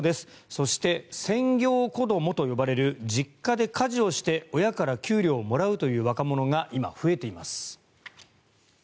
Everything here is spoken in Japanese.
そして、専業子どもと呼ばれる実家で家事をして親から給料をもらうという若者が今、増えています。